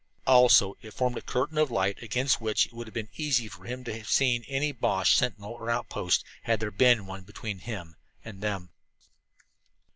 Also it formed a curtain of light against which it would have been easy for him to have seen any Boche sentinel or outpost, had there been one between him and them.